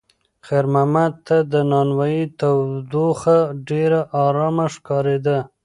خیر محمد ته د نانوایۍ تودوخه ډېره ارامه ښکارېده.